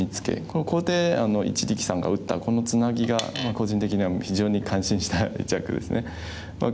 ここで一力さんが打ったこのツナギが個人的には非常に感心した一着ですね。